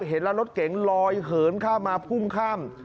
เห็นแล้วรถเก๋งลอยเหินข้ามมาพุ่งข้าม